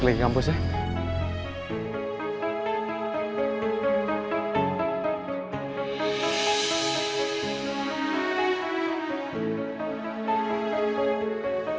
kemudian aku gihankan siapa